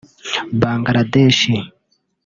Bangladesh